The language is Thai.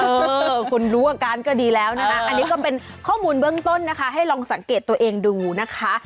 เออคุณรู้อาการก็ดีแล้วนะอันนี้ก็เป็นข้อมูลเบื้องต้นนะคะให้ลองสังเกตตัวเองดูนะคะ